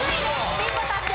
ビンゴ達成！